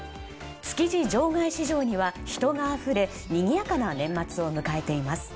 築地場外市場には人があふれにぎやかな年末を迎えています。